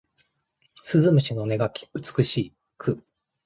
鈴虫の音が美しく